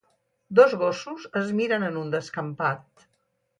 Dos gossos es miren en un descampat.